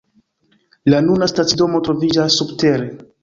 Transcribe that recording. La nuna stacidomo troviĝas subtere.